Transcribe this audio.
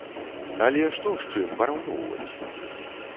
Але што з чым параўноўваць?